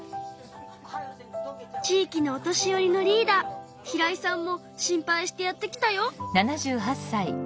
地域のお年寄りのリーダー平位さんも心配してやって来たよ。